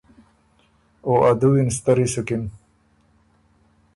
او ا دُوی ن ستری سُکِن۔